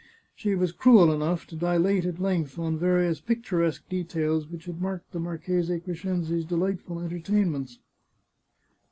She was cruel enough to dilate at length on various picturesque details which had marked the Marchese Crescenzi's delight ful entertainments.